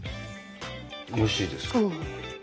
おいしいです。